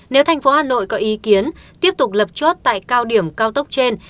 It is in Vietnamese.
nếu thành phố hà nội có ý kiến tiếp tục lập chốt tại cao điểm cao tốc trên